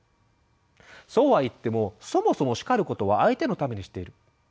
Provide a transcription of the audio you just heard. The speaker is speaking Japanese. そうは言っても「そもそも叱ることは相手のためにしている」